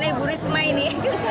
ini bu risma ini